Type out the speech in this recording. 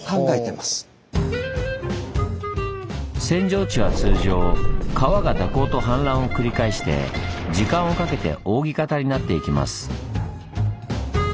扇状地は通常川が蛇行と氾濫を繰り返して時間をかけて扇形になっていきます。